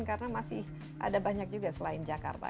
karena masih ada banyak juga selain jakarta